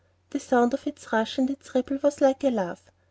The sound of its rush and its ripple was like a laugh.